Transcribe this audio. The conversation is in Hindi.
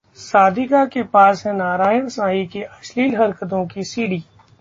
साधिका के पास है नारायण साईं की अश्लील हरकतों की सीडी